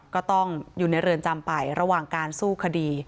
ก็ต้องอยู่ในเรือนจำไประหว่างการสู้คดี